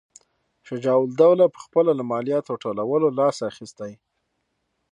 شجاع الدوله پخپله له مالیاتو ټولولو لاس اخیستی.